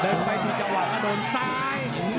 เดินไปที่จะออกกระโดนซ้าย